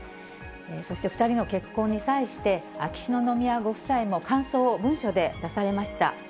そして２人の結婚に際して、秋篠宮ご夫妻も感想を文書で出されました。